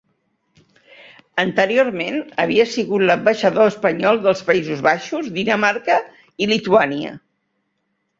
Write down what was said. Anteriorment, havia sigut l'ambaixador espanyol dels Països Baixos, Dinamarca i Lituània.